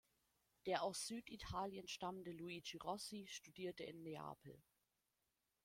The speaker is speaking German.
Der aus Süditalien stammende Luigi Rossi studierte in Neapel.